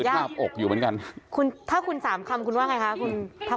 ถ้าคุณ๓คำคุณว่าไงคะคุณพระครู